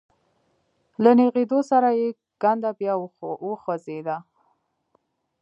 له نېغېدو سره يې کنده بيا وخوځېده.